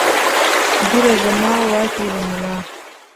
ږېره زما واک ېې د ملا